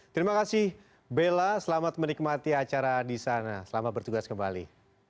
terima kasih bella selamat menikmati acara di sana selamat bertugas kembali